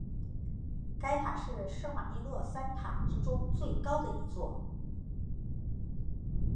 该塔是圣马利诺三塔之中最高的一座。